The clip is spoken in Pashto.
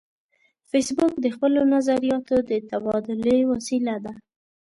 فېسبوک د خپلو نظریاتو د تبادلې وسیله ده